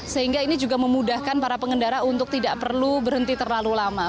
sehingga ini juga memudahkan para pengendara untuk tidak perlu berhenti terlalu lama